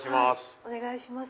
お願いします。